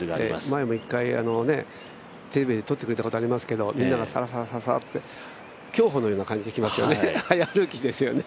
前も１回、テレビでとってくれたことありますけど、みんながさらさらさらっと競歩のような感じでいきますよね。